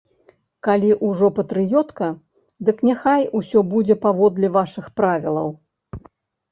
Калі ўжо патрыётка, дык няхай усё будзе паводле вашых правілаў.